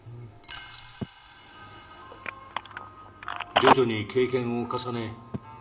徐々に経験を重ね